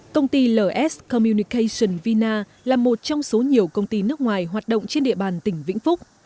công ty ls communication vina là một trong số nhiều công ty nước ngoài hoạt động trên địa bàn tỉnh vĩnh phúc